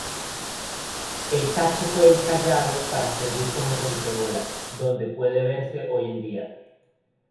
El casco fue encallado para servir como rompeolas, donde puede verse hoy en día.